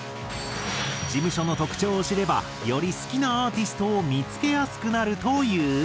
事務所の特徴を知ればより好きなアーティストを見付けやすくなるという。